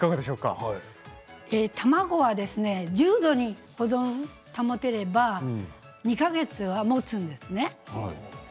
１０度に保存を保てれば２か月はもつんですね。